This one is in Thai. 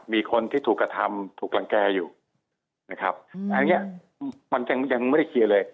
มีคนที่ถูกกระทำถูกรังแก่อยู่นะครับอันเนี้ยมันยังไม่ได้เคลียร์เลย